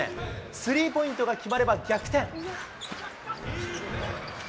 スリーポイントが決まれば逆転。